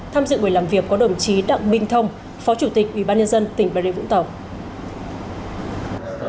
tham dự buổi làm việc có đồng chí đặng minh thông phó chủ tịch ubnd tỉnh bà rịa vũng tàu